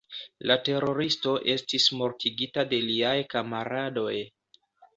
La teroristo estis mortigita de liaj kamaradoj.